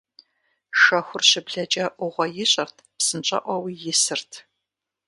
Шэхур щыблэкӀэ Ӏугъуэ ищӀырт, псынщӀэӀуэуи исырт.